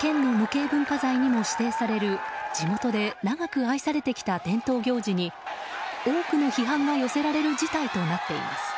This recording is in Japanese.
県の無形文化財にも指定される地元で長く愛されてきた伝統行事に多くの批判が寄せられる事態となっています。